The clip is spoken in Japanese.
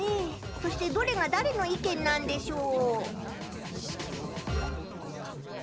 そしてどれがだれの意見なんでしょう？